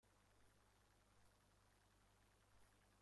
بیست و یک، بیست و دو، بیست و سه.